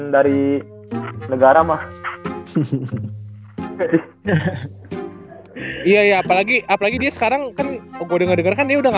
dari negara mah iya apalagi apalagi dia sekarang kan gue denger dengarkan dia udah